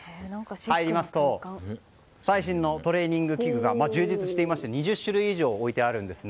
入りますと最新のトレーニング器具が充実していまして２０種類以上置いてあります。